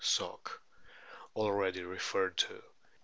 Soc. already referred to).